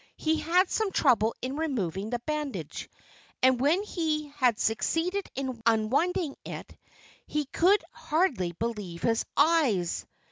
He had some trouble in removing the bandage. And when he had succeeded in unwinding it he could hardly believe his eyes.